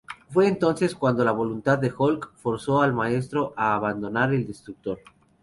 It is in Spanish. Fue entonces cuando la voluntad de Hulk forzó al Maestro a abandonar el Destructor.